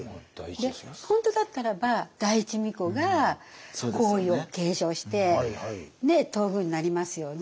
本当だったらば第一皇子が皇位を継承して東宮になりますよね。